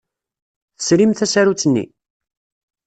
Tesrim tasarut-nni?